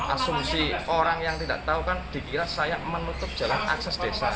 asumsi orang yang tidak tahu kan dikira saya menutup jalan akses desa